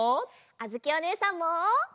あづきおねえさんも！